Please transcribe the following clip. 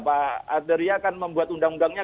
pak arteria kan membuat undang undangnya